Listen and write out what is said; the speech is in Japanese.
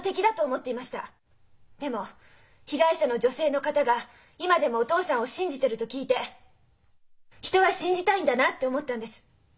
でも被害者の女性の方が今でもお父さんを信じてると聞いて人は信じたいんだなって思ったんです。